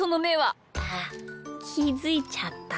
あっきづいちゃった？